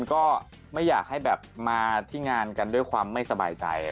ก็ไม่อยากให้แบบมาที่งานกันด้วยความไม่สบายใจ